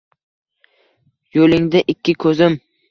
Yo‘lingda ikki ko‘zim